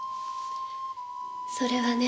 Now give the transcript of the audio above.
それはね